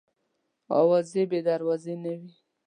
اوازې بې دروازې نه وي.